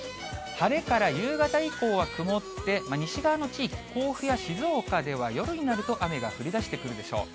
晴れから夕方以降は曇って、西側の地域、甲府や静岡では夜になると雨が降りだしてくるでしょう。